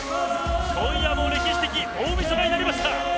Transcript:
今夜も歴史的大みそかになりました。